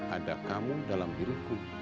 ada kamu dalam diriku